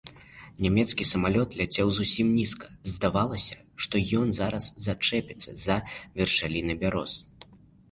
Нямецкі самалёт ляцеў зусім нізка, здавалася, што ён зараз зачэпіцца за вяршаліны бяроз.